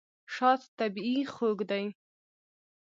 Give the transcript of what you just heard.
شات طبیعي خوږ دی.